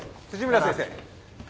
辻村先生。